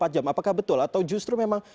dua puluh empat jam apakah betul atau justru memang